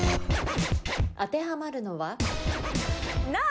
当てはまるのは？な。